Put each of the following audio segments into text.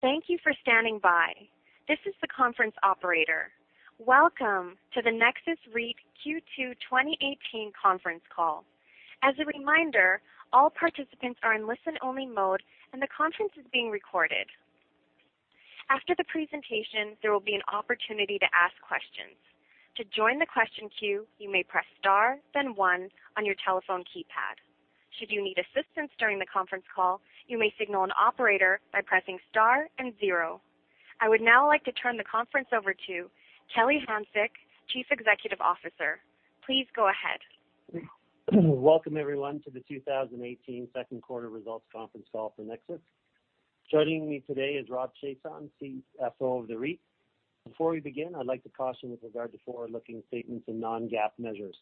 Thank you for standing by. This is the conference operator. Welcome to the Nexus REIT Q2 2018 conference call. As a reminder, all participants are in listen-only mode, and the conference is being recorded. After the presentation, there will be an opportunity to ask questions. To join the question queue, you may press star then one on your telephone keypad. Should you need assistance during the conference call, you may signal an operator by pressing star and zero. I would now like to turn the conference over to Kelly Hanczyk, Chief Executive Officer. Please go ahead. Welcome, everyone, to the 2018 second quarter results conference call for Nexus. Joining me today is Rob Chiasson, CFO of the REIT. Before we begin, I'd like to caution with regard to forward-looking statements and non-GAAP measures.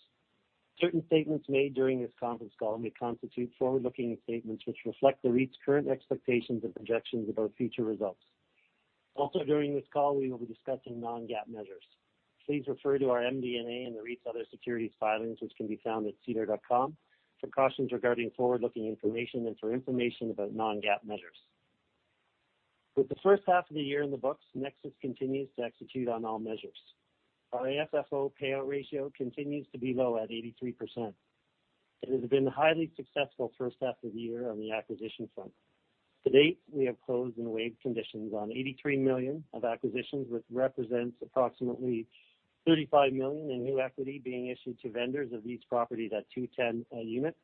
Certain statements made during this conference call may constitute forward-looking statements which reflect the REIT's current expectations and projections about future results. Also during this call, we will be discussing non-GAAP measures. Please refer to our MD&A and the REIT's other securities filings, which can be found at SEDAR.com for cautions regarding forward-looking information and for information about non-GAAP measures. With the first half of the year in the books, Nexus continues to execute on all measures. Our AFFO payout ratio continues to be low at 83%. It has been a highly successful first half of the year on the acquisition front. To date, we have closed and waived conditions on 83 million of acquisitions, which represents approximately 35 million in new equity being issued to vendors of each property at 2.10 a unit,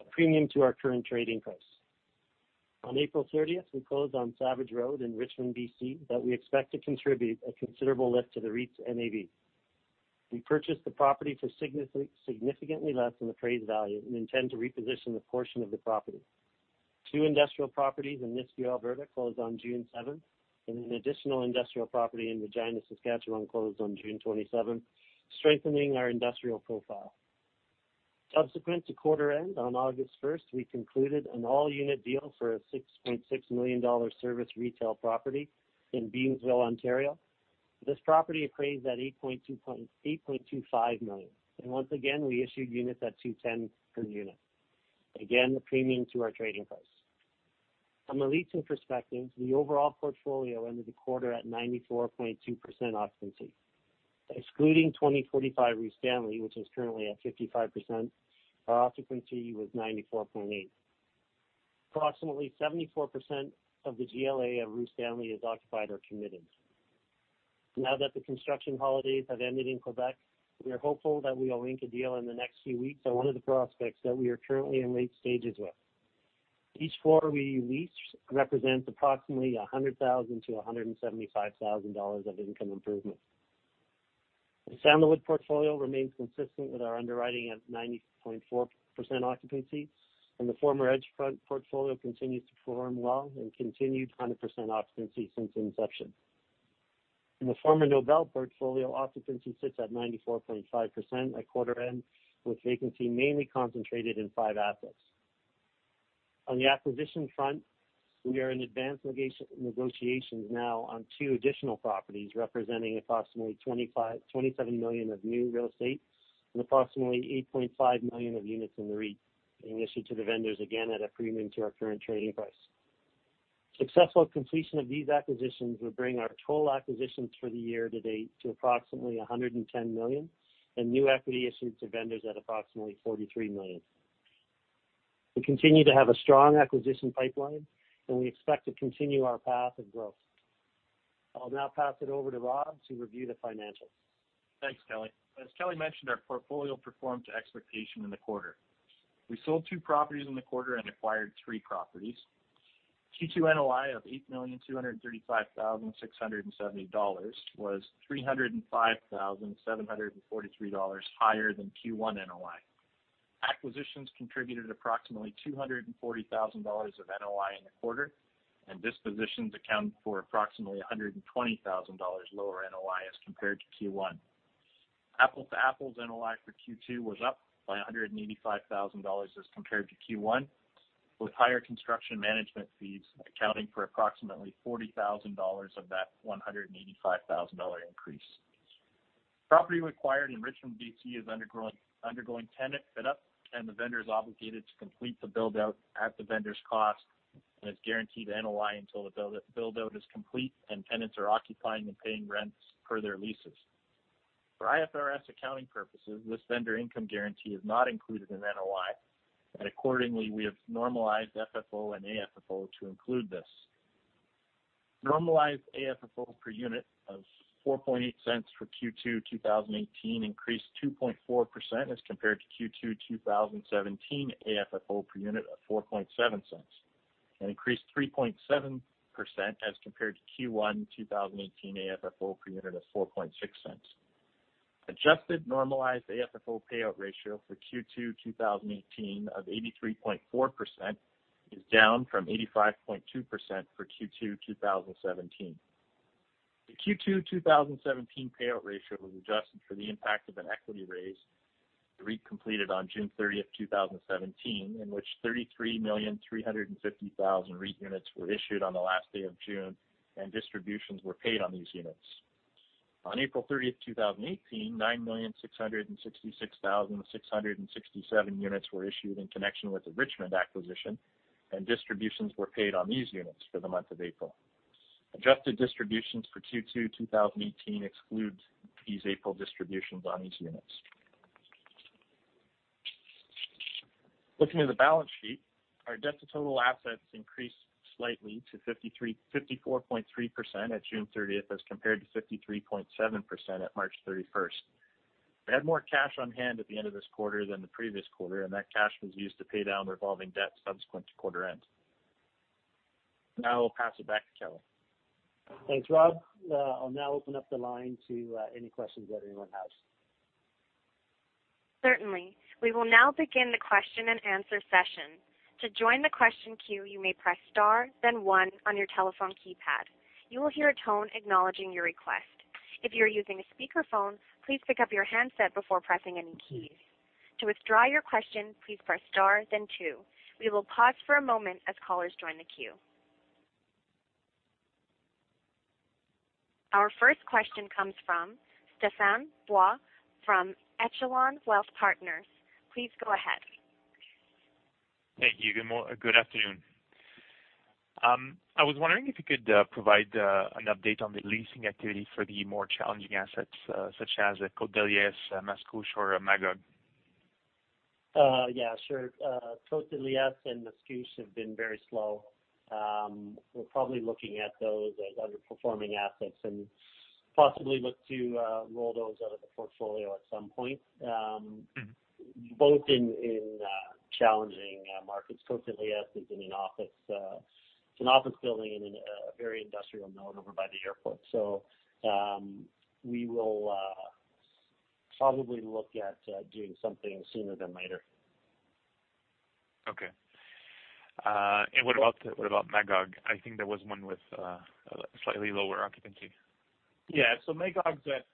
a premium to our current trading price. On April 30th, we closed on Savage Road in Richmond, B.C., that we expect to contribute a considerable lift to the REIT's NAV. We purchased the property for significantly less than appraised value and intend to reposition a portion of the property. Two industrial properties in Nisku, Alberta, closed on June 7th, and an additional industrial property in Regina, Saskatchewan, closed on June 27th, strengthening our industrial profile. Subsequent to quarter end on August 1st, we concluded an all-unit deal for a 6.6 million dollar service retail property in Beamsville, Ontario. This property appraised at 8.25 million, and once again, we issued units at 2.10 per unit. Again, a premium to our trading price. From a leasing perspective, the overall portfolio ended the quarter at 94.2% occupancy. Excluding 2045 Rue Stanley, which is currently at 55%, our occupancy was 94.8%. Approximately 74% of the GLA of Rue Stanley is occupied or committed. Now that the construction holidays have ended in Quebec, we are hopeful that we will ink a deal in the next few weeks on one of the prospects that we are currently in late stages with. Each floor we lease represents approximately 100,000 to 175,000 dollars of income improvement. The Sandalwood portfolio remains consistent with our underwriting at 90.4% occupancy, and the former Edgefront portfolio continues to perform well and continued 100% occupancy since inception. In the former Nobel portfolio, occupancy sits at 94.5% at quarter end, with vacancy mainly concentrated in five assets. On the acquisition front, we are in advanced negotiations now on two additional properties representing approximately 27 million of new real estate and approximately 8.5 million of units in the REIT being issued to the vendors, again, at a premium to our current trading price. Successful completion of these acquisitions will bring our total acquisitions for the year to date to approximately 110 million and new equity issued to vendors at approximately 43 million. We continue to have a strong acquisition pipeline, and we expect to continue our path of growth. I'll now pass it over to Rob to review the financials. Thanks, Kelly. As Kelly mentioned, our portfolio performed to expectation in the quarter. We sold two properties in the quarter and acquired three properties. Q2 NOI of 8,235,670 dollars was 305,743 dollars higher than Q1 NOI. Acquisitions contributed approximately 240,000 dollars of NOI in the quarter, and dispositions accounted for approximately 120,000 dollars lower NOI as compared to Q1. Apple-to-apples NOI for Q2 was up by 185,000 dollars as compared to Q1, with higher construction management fees accounting for approximately 40,000 dollars of that 185,000 dollar increase. Property acquired in Richmond, B.C., is undergoing tenant fit-out, and the vendor is obligated to complete the build-out at the vendor's cost and is guaranteed NOI until the build-out is complete and tenants are occupying and paying rents per their leases. For IFRS accounting purposes, this vendor income guarantee is not included in NOI, and accordingly, we have normalized FFO and AFFO to include this. Normalized AFFO per unit of 0.048 for Q2 2018 increased 2.4% as compared to Q2 2017 AFFO per unit of 0.047 and increased 3.7% as compared to Q1 2018 AFFO per unit of 0.046. Adjusted normalized AFFO payout ratio for Q2 2018 of 83.4% is down from 85.2% for Q2 2017. The Q2 2017 payout ratio was adjusted for the impact of an equity raise the REIT completed on June 30th, 2017, in which 33,350,000 REIT units were issued on the last day of June and distributions were paid on these units. On April 30th, 2018, 9,666,667 units were issued in connection with the Richmond acquisition, and distributions were paid on these units for the month of April. Adjusted distributions for Q2 2018 exclude these April distributions on these units. Looking at the balance sheet, our debt to total assets increased slightly to 54.3% at June 30th, as compared to 53.7% at March 31st. We had more cash on hand at the end of this quarter than the previous quarter, and that cash was used to pay down revolving debt subsequent to quarter end. Now I will pass it back to Kelly. Thanks, Rob. I'll now open up the line to any questions that anyone has. Certainly. We will now begin the question and answer session. To join the question queue, you may press star then one on your telephone keypad. You will hear a tone acknowledging your request. If you are using a speakerphone, please pick up your handset before pressing any keys. To withdraw your question, please press star then two. We will pause for a moment as callers join the queue. Our first question comes from Stephane Bois from Echelon Wealth Partners. Please go ahead. Thank you. Good afternoon. I was wondering if you could provide an update on the leasing activity for the more challenging assets, such as Côte-de-Liesse, Mascouche, or Magog. Yeah, sure. Côte-de-Liesse and Mascouche have been very slow. We're probably looking at those as underperforming assets and possibly look to roll those out of the portfolio at some point. Both in challenging markets. Côte-de-Liesse is an office building in a very industrial node over by the airport. We will probably look at doing something sooner than later. Okay. What about Magog? I think there was one with a slightly lower occupancy. Yeah. Magog's at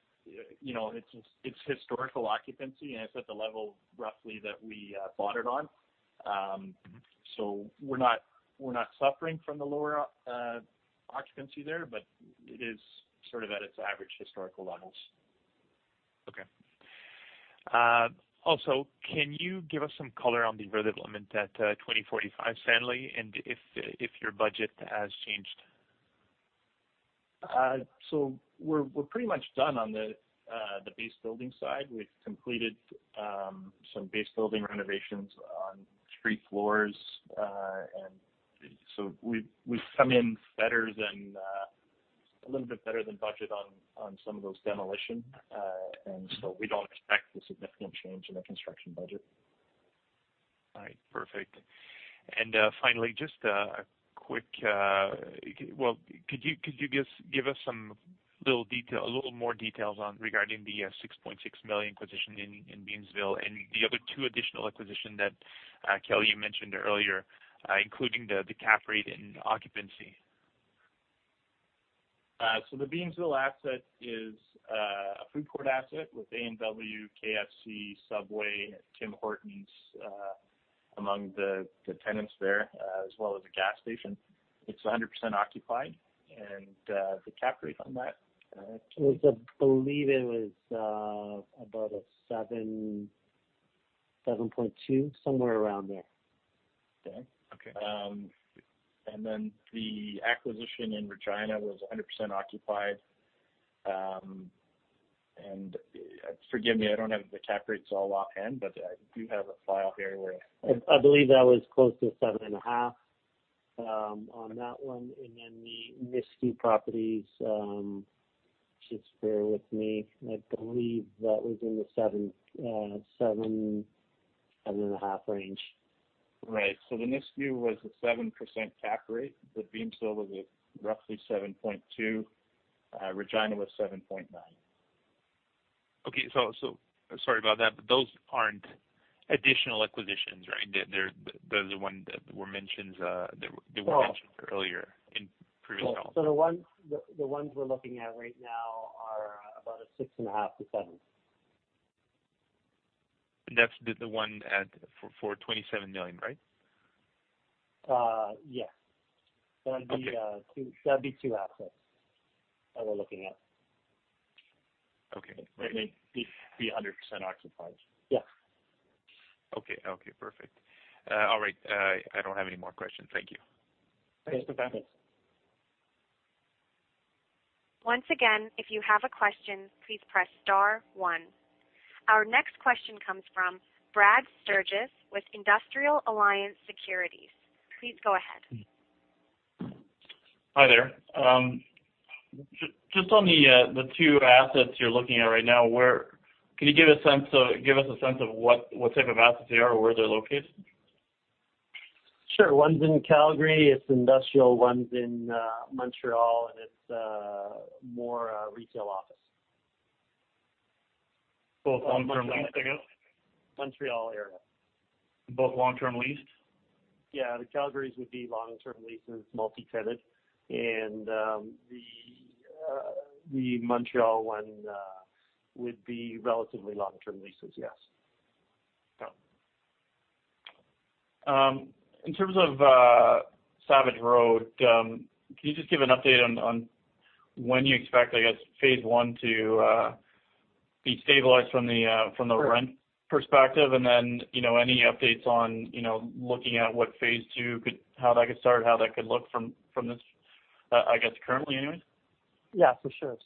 its historical occupancy, and it's at the level roughly that we bought it on. We're not suffering from the lower occupancy there, but it is sort of at its average historical levels. Okay. Can you give us some color on the redevelopment at 2045 Stanley and if your budget has changed? We're pretty much done on the base building side. We've completed some base building renovations on three floors. We've come in a little bit better than budget on some of those demolition. We don't expect a significant change in the construction budget. All right, perfect. Finally, could you give us a little more details regarding the 6.6 million acquisition in Beamsville and the other two additional acquisition that, Kelly, you mentioned earlier, including the cap rate and occupancy? The Beamsville asset is a food court asset with A&W, KFC, Subway, and Tim Hortons among the tenants there, as well as a gas station. It's 100% occupied. The cap rate on that. I believe it was about a 7.2, somewhere around there. Okay. Okay. The acquisition in Regina was 100% occupied. Forgive me, I don't have the cap rates all offhand, but I do have a file here. I believe that was close to seven and a half on that one. The Nisku properties, just bear with me. I believe that was in the seven and a half range. Right. The Nisku was a 7% cap rate. The Beamsville was at roughly 7.2. Regina was 7.9. Okay. Sorry about that, those aren't additional acquisitions, right? They were mentioned earlier in previous calls. The ones we're looking at right now are about a six and a half to seven. That's the one for 27 million, right? Yes. Okay. That'd be two assets that we're looking at. Okay. They'd be 100% occupied. Yes. Okay. Perfect. All right. I don't have any more questions. Thank you. Thanks, Stephane. Thanks. Once again, if you have a question, please press star one. Our next question comes from Brad Sturges with Industrial Alliance Securities. Please go ahead. Hi there. Just on the two assets you're looking at right now, can you give us a sense of what type of assets they are or where they're located? Sure. One's in Calgary, it's industrial. One's in Montreal, and it's more retail office. Both long-term leased, I guess? Montreal area. Both long-term leased? Yeah. The Calgary would be long-term leases, multi-tenant. The Montreal one would be relatively long-term leases, yes. Okay. In terms of Savage Road, can you just give an update on when you expect, I guess, phase 1 to be stabilized from the rent perspective? Any updates on looking at what phase 2 could How that could start? How that could look from this, I guess, currently anyways? Yeah, for sure.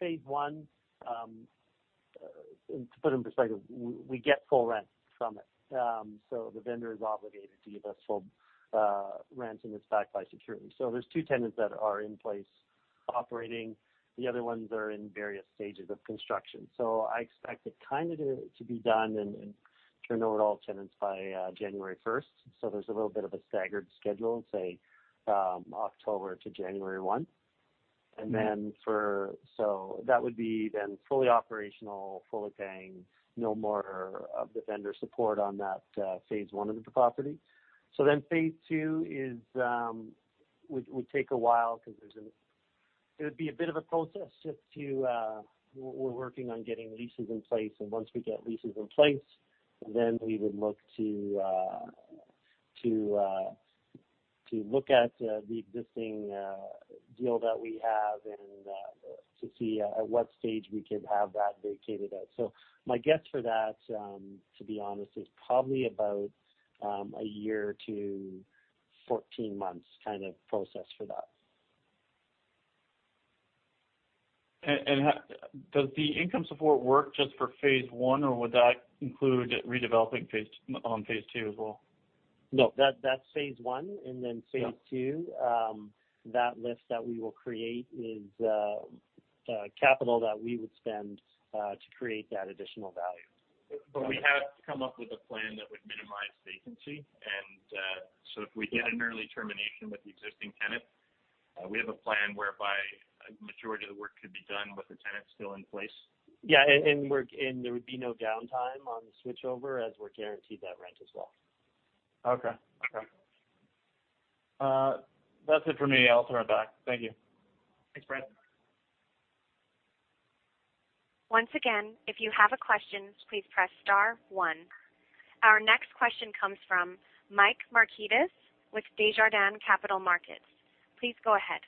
Phase 1, to put it in perspective, we get full rent from it. The vendor is obligated to give us full rent and it's backed by security. There's two tenants that are in place operating. The other ones are in various stages of construction. I expect it kind of to be done and turn over all tenants by January 1st. There's a little bit of a staggered schedule, say October to January 1. That would be then fully operational, fully paying, no more of the vendor support on that phase 1 of the property. Phase 2 would take a while because it would be a bit of a process. We're working on getting leases in place. Once we get leases in place, then we would look at the existing deal that we have and to see at what stage we could have that vacated out. My guess for that, to be honest, is probably about a year to 14 months kind of process for that. Does the income support work just for phase 1 or would that include redeveloping on phase 2 as well? No, that's phase 1. Phase 2, that lift that we will create is capital that we would spend to create that additional value. We have come up with a plan that would minimize vacancy. If we get an early termination with the existing tenant, we have a plan whereby a majority of the work could be done with the tenant still in place. Yeah. There would be no downtime on the switchover as we're guaranteed that rent as well. Okay. That's it for me. I'll turn it back. Thank you. Thanks, Brad. Once again, if you have a question, please press star one. Our next question comes from Michael Markidis with Desjardins Capital Markets. Please go ahead.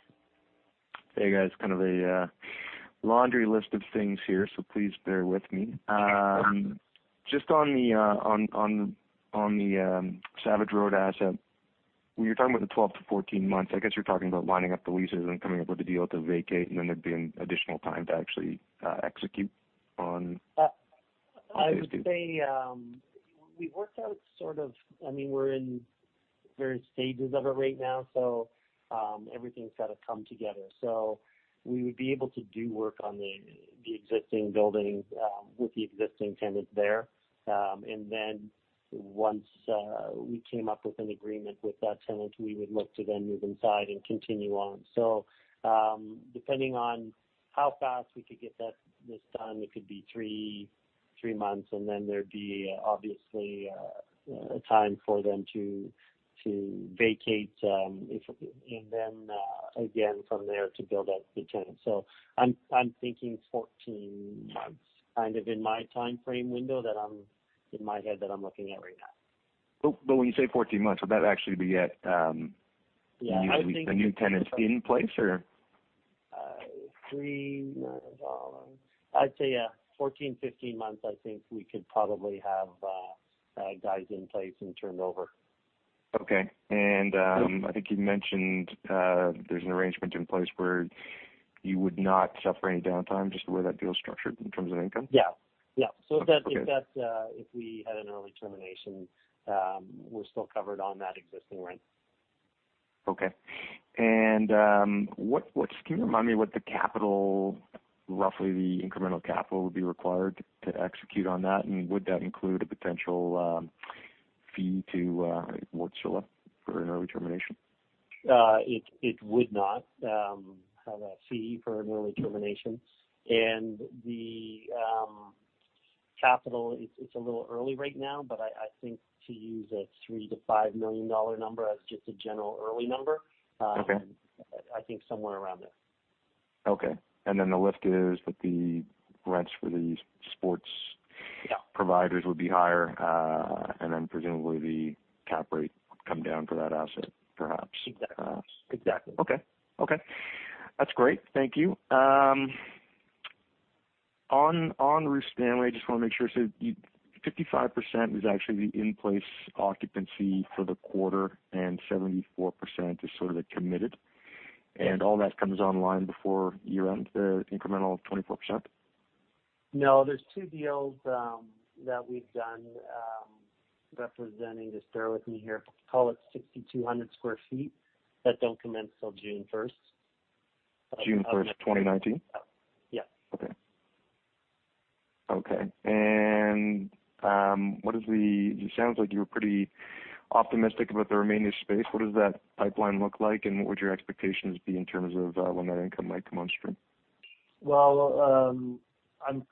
Hey, guys. Kind of a laundry list of things here, please bear with me. Sure. Just on the Savage Road asset, when you're talking about the 12 to 14 months, I guess you're talking about lining up the leases and coming up with a deal to vacate, there'd be additional time to actually execute on phase two. I would say we've worked out. We're in various stages of it right now, everything's got to come together. We would be able to do work on the existing buildings with the existing tenant there, once we came up with an agreement with that tenant, we would look to then move inside and continue on. Depending on how fast we could get this done, it could be three months, there'd be obviously a time for them to vacate, again from there to build out the tenant. I'm thinking 14 months, kind of in my timeframe window that I'm in my head that I'm looking at right now. When you say 14 months, would that actually be? Yeah. the new tenant's in place or? Three months. I'd say, yeah, 14, 15 months, I think we could probably have guys in place and turned over. Okay. I think you mentioned there's an arrangement in place where you would not suffer any downtime, just the way that deal is structured in terms of income? Yeah. Okay. If we had an early termination, we're still covered on that existing rent. Okay. Can you remind me what the capital, roughly the incremental capital, would be required to execute on that? Would that include a potential fee to [Worsella] for an early termination? It would not have a fee for an early termination. The capital, it's a little early right now, but I think to use a 3 million-5 million dollar number as just a general early number. Okay. I think somewhere around there. Okay. The lift is that the rents for these sports- Yeah providers would be higher, presumably the cap rate would come down for that asset perhaps. Exactly. Okay. That's great. Thank you. On Rue Stanley, I just want to make sure. 55% is actually the in-place occupancy for the quarter, 74% is sort of the committed, all that comes online before year-end, the incremental of 24%? No, there's two deals that we've done representing, just bear with me here, call it 6,200 sq ft that don't commence till June 1st. June 1st, 2019? Yeah. Okay. It sounds like you were pretty optimistic about the remaining space. What does that pipeline look like, and what would your expectations be in terms of when that income might come on stream? Well, I'm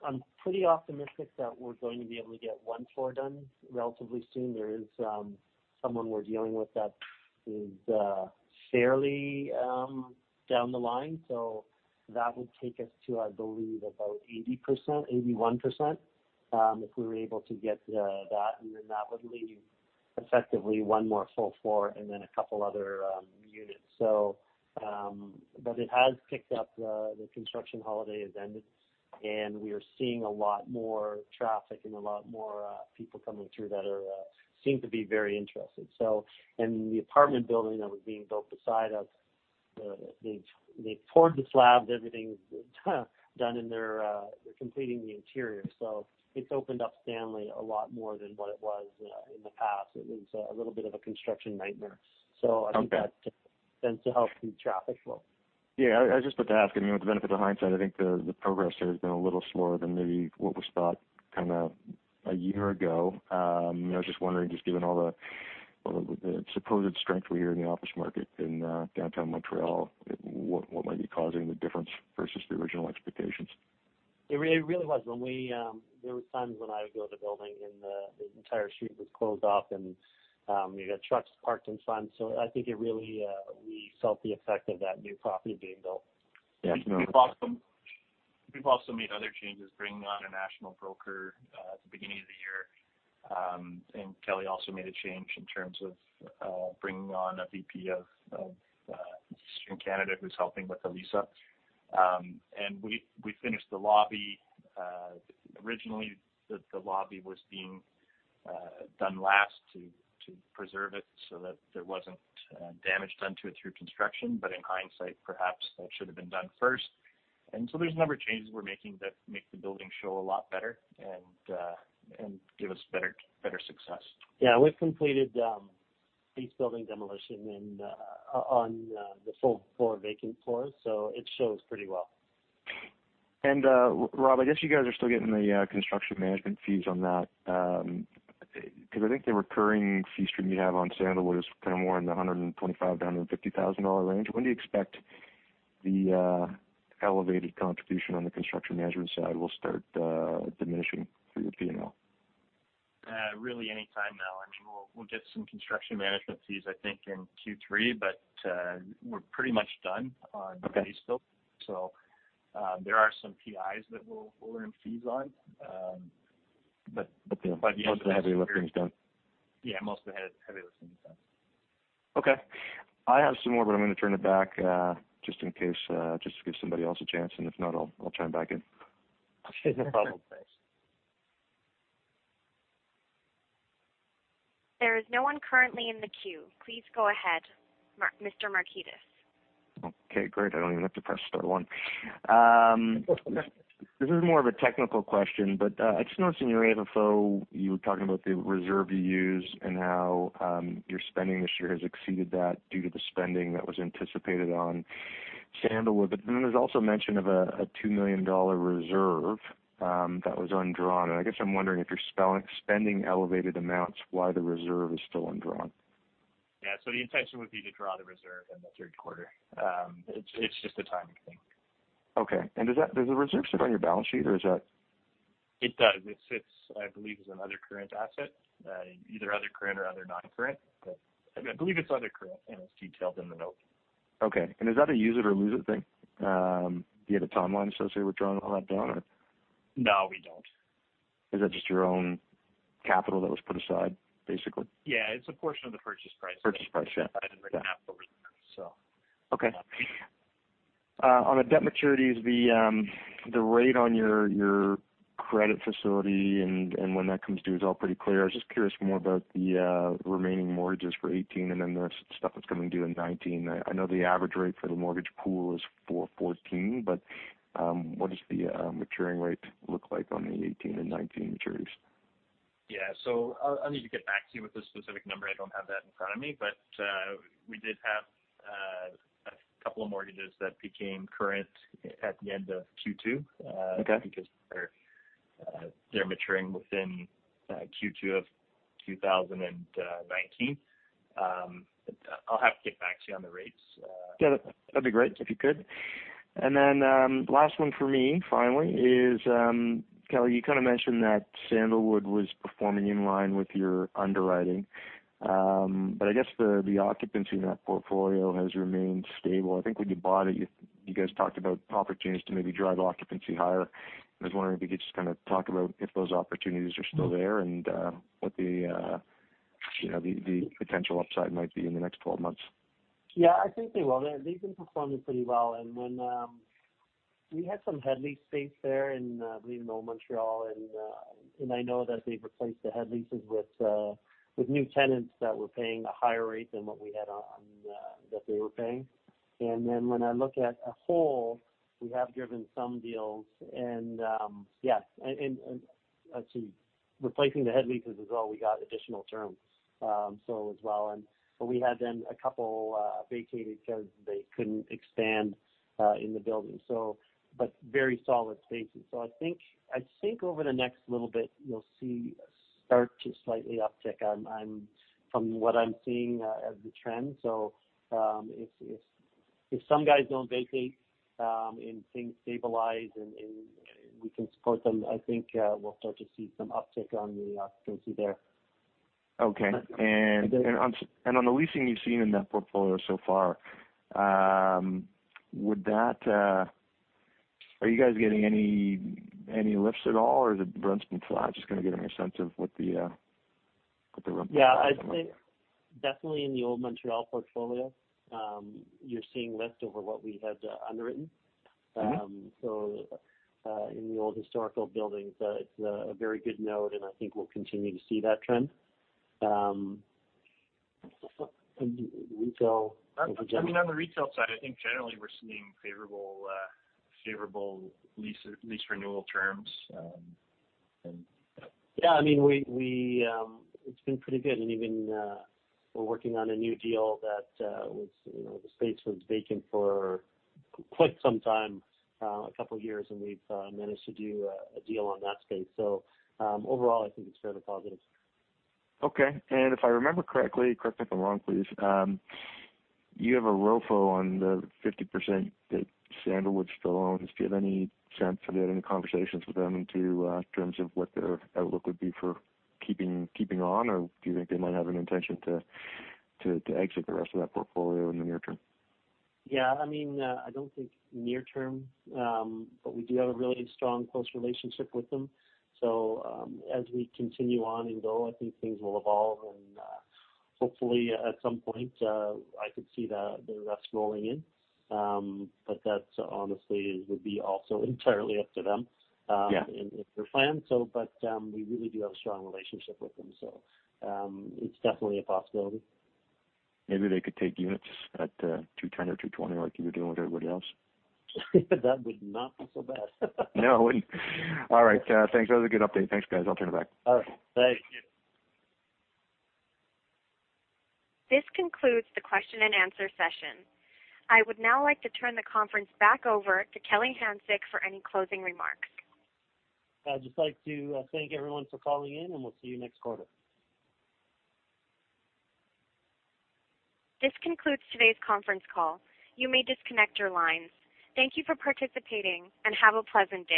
pretty optimistic that we're going to be able to get one floor done relatively soon. There is someone we're dealing with that is fairly down the line. That would take us to, I believe, about 80%, 81%, if we were able to get that, and then that would leave effectively one more full floor and then a couple other units. It has picked up. The construction holiday has ended, and we are seeing a lot more traffic and a lot more people coming through that seem to be very interested. The apartment building that was being built beside us, they've poured the slabs, everything's done, and they're completing the interior. It's opened up Rue Stanley a lot more than what it was in the past. It was a little bit of a construction nightmare. Okay. I think that tends to help the traffic flow. Yeah, I was just about to ask, with the benefit of hindsight, I think the progress there has been a little slower than maybe what was thought kind of a year ago. I was just wondering, just given all the supposed strength we hear in the office market in downtown Montreal, what might be causing the difference versus the original expectations? It really was. There were times when I would go to the building, and the entire street was closed off, and you got trucks parked in front. I think we felt the effect of that new property being built. Yeah. We've also made other changes, bringing on a national broker at the beginning of the year. Kelly also made a change in terms of bringing on a VP of Eastern Canada who's helping with Elisa. We finished the lobby. Originally, the lobby was being done last to preserve it so that there wasn't damage done to it through construction, but in hindsight, perhaps that should've been done first. There's a number of changes we're making that make the building show a lot better and give us better success. Yeah, we've completed the east building demolition on the full floor vacant floors, so it shows pretty well. Rob, I guess you guys are still getting the construction management fees on that, because I think the recurring fee stream you have on Sandalwood is kind of more in the 125,000-150,000 dollar range. When do you expect the elevated contribution on the construction management side will start diminishing through your P&L? Really any time now. We'll get some construction management fees, I think, in Q3, we're pretty much done on the east building. Okay. There are some TIs that we'll earn fees on. By the end of the year. Most of the heavy lifting is done. Yeah, most of the heavy lifting is done. Okay. I have some more, but I'm going to turn it back, just in case, just to give somebody else a chance, and if not, I'll chime back in. No problem. Thanks. There is no one currently in the queue. Please go ahead, Mr. Markidis. Okay, great. I don't even have to press star one. This is more of a technical question, I just noticed in your AFFO, you were talking about the reserve you use and how your spending this year has exceeded that due to the spending that was anticipated on Sandalwood. There's also mention of a 2 million dollar reserve that was undrawn. I guess I'm wondering if you're spending elevated amounts, why the reserve is still undrawn. The intention would be to draw the reserve in the third quarter. It's just a timing thing. Okay. Does the reserve sit on your balance sheet, or is that It does. It sits, I believe it's another current asset. Either other current or other non-current. I believe it's other current, and it's detailed in the note. Okay. Is that a use it or lose it thing? Do you have a timeline associated with drawing all that down or? No, we don't. Is that just your own capital that was put aside, basically? Yeah, it's a portion of the purchase price that. Purchase price, yeah. decided to put half over there. Okay. On the debt maturities, the rate on your credit facility and when that comes due is all pretty clear. I was just curious more about the remaining mortgages for 2018 and then the stuff that's coming due in 2019. I know the average rate for the mortgage pool is 4.14, but what does the maturing rate look like on the 2018 and 2019 maturities? Yeah. I'll need to get back to you with the specific number. I don't have that in front of me. We did have a couple of mortgages that became current at the end of Q2. Okay because they're maturing within Q2 of 2019. I'll have to get back to you on the rates. Yeah. That'd be great if you could. Last one for me, finally, is Kelly, you kind of mentioned that Sandalwood was performing in line with your underwriting. I guess the occupancy in that portfolio has remained stable. I think when you bought it, you guys talked about opportunities to maybe drive occupancy higher. I was wondering if you could just kind of talk about if those opportunities are still there and what the potential upside might be in the next 12 months. Yeah, I think they will. They've been performing pretty well. When we had some head lease space there in Montreal, I know that they've replaced the head leases with new tenants that were paying a higher rate than what we had on that they were paying. When I look at a whole, we have given some deals and actually replacing the head leases as well, we got additional terms as well. We had then a couple vacated because they couldn't expand in the building. Very solid spaces. I think over the next little bit, you'll see a start to slightly uptick from what I'm seeing as the trend. It's If some guys don't vacate, and things stabilize, and we can support them, I think we'll start to see some uptick on the occupancy there. Okay. On the leasing you've seen in that portfolio so far, are you guys getting any lifts at all, or has it been flat? Just going to get a sense of what the run has been like. Yeah, I'd say definitely in the old Montreal portfolio, you're seeing lift over what we had underwritten. In the old historical buildings, it's a very good note, and I think we'll continue to see that trend. I mean, on the retail side, I think generally we're seeing favorable lease renewal terms. Yeah, it's been pretty good, and even we're working on a new deal that the space was vacant for quite some time, a couple of years, and we've managed to do a deal on that space. Overall, I think it's fairly positive. Okay. If I remember correctly, correct me if I'm wrong, please, you have a ROFO on the 50% that Sandalwood still owns. Do you have any sense, have you had any conversations with them in terms of what their outlook would be for keeping on, or do you think they might have an intention to exit the rest of that portfolio in the near term? Yeah, I don't think near term. We do have a really strong close relationship with them. As we continue on and go, I think things will evolve and, hopefully, at some point, I could see the rest rolling in. That honestly would be also entirely up to them. Yeah Their plan. We really do have a strong relationship with them, so it's definitely a possibility. Maybe they could take units at 210 or 220 like you were doing with everybody else. That would not be so bad. No, it wouldn't. All right. Thanks. That was a good update. Thanks, guys. I'll turn it back. All right. Thanks. This concludes the question and answer session. I would now like to turn the conference back over to Kelly Hanczyk for any closing remarks. I'd just like to thank everyone for calling in, and we'll see you next quarter. This concludes today's conference call. You may disconnect your lines. Thank you for participating, and have a pleasant day.